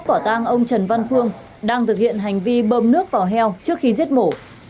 ông trần văn phương đang thực hiện hành vi bơm nước vào heo trước khi giết mổ